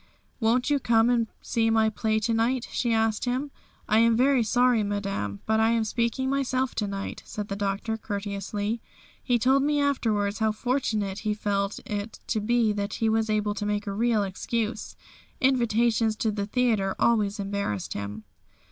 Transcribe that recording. "Won't you come and see my play to night?" she asked him. "I am very sorry, Madame, but I am speaking myself to night," said the Doctor courteously. He told me afterwards how fortunate he felt it to be that he was able to make a real excuse. Invitations to the theatre always embarrassed him.